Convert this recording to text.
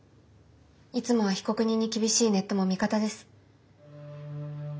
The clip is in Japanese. いつもは被告人に厳しいネットも味方です。